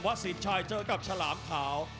สินชัยเจอกับฉลามขาว